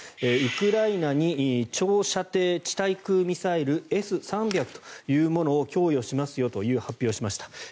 ウクライナに長射程地対空ミサイルＳ３００というものを供与しますよという発表をしました。